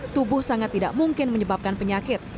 tubuh sangat tidak mungkin menyebabkan penyakit